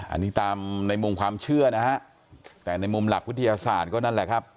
อันนี้ตามในมุมความเชื่อนะฮะแต่ในมุมหลักวิทยาศาสตร์ก็นั่นแหละครับ